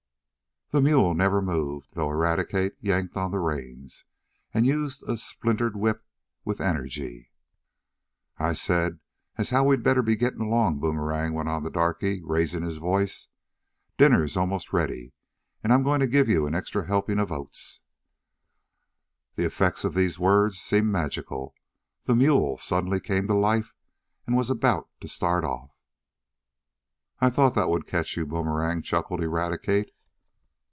The mule never moved, though Eradicate yanked on the reins, and used a splintered whip with energy. "I said as how we'd better git along, Boomerang," went on the darkey, raising his voice, "Dinnah am mos' ready, an' I'm goin' t' giv yo' an extra helpin' ob oats." The effect of these words seemed magical. The mule suddenly came to life, and was about to start off. "I done thought dat would cotch yo', Boomerang," chuckled Eradicate.